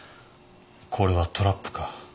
これはトラップか。